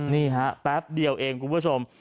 นี่ฮะแป๊บเดียวเองคุณผู้ชม